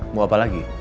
mau apa lagi